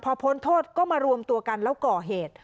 พอพ้นโทษก็มารวมตัวกันแล้วก่อเหตุ